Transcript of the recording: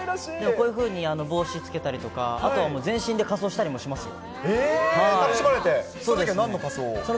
こういうふうに帽子つけたりとか、あとはもう全身で仮装したりもしますよ。